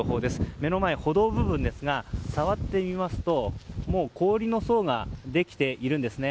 目の前の歩道部分を触ってみますと氷の層ができているんですね。